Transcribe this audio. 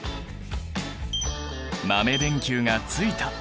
豆電球がついた。